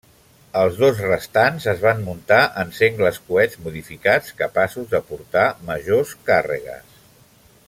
Els dos restants es van muntar en sengles coets modificats, capaços de portar majors càrregues.